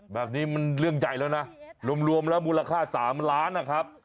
แบบนี้มันเรื่องใหญ่แล้วนะรวมแล้วมูลค่า๓ล้านนะครับ